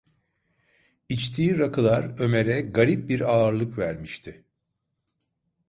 İçtiği rakılar Ömer’e garip bir ağırlık vermişti.